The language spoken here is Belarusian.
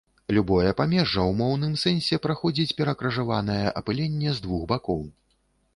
Любое памежжа ў моўным сэнсе праходзіць перакрыжаванае апыленне з абодвух бакоў.